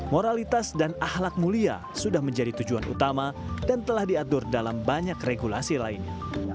moralitas dan ahlak mulia sudah menjadi tujuan utama dan telah diatur dalam banyak regulasi lainnya